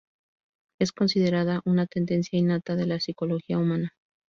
Es considerada una tendencia innata de la psicología humana.